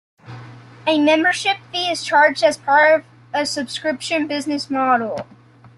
A membership fee is charged as part of a subscription business model.